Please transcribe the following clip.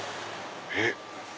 えっ？